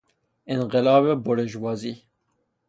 انقلاب بورژوازی